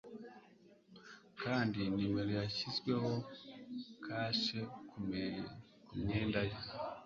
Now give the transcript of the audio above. Kandi nimero yashyizweho kashe kumyenda ye